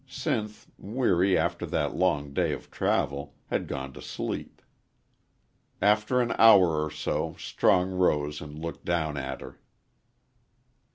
Sinth, weary after that long day of travel, had gone to sleep. After an hour or so Strong rose and looked down at her.